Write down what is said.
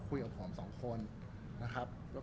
รูปนั้นผมก็เป็นคนถ่ายเองเคลียร์กับเรา